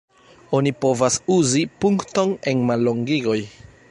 Oni povas uzi punkton en mallongigoj.